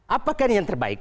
apakah ini yang terbaik